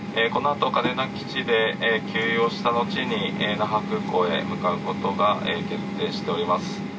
このあと嘉手納基地で給油をした後に那覇空港へ向かうことが決定しております